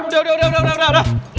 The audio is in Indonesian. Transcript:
udah udah udah